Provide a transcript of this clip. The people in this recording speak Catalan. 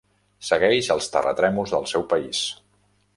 Segueix els terratrèmols del seu país.